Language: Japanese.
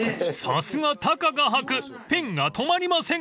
［さすがタカ画伯ペンが止まりません］